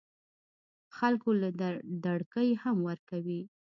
خلکو له دړکې هم ورکوي